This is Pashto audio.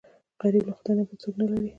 غریب له خدای نه بل څوک نه لري